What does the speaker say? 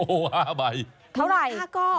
โอ้โห๕ใบเท่าไหร่